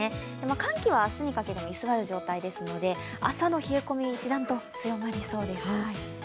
寒気は明日にかけて居座る状態ですので朝の冷え込み、一段と強まりそうです。